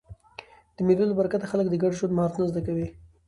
د مېلو له برکته خلک د ګډ ژوند مهارتونه زده کوي.